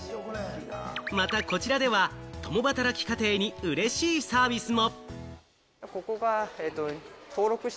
またこちらでは共働き家庭に嬉しいサービスも。